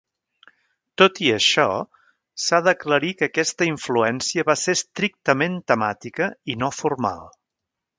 Tot i això, s'ha d'aclarir que aquesta influència va ser estrictament temàtica i no formal.